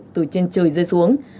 từ trên trời rơi xuống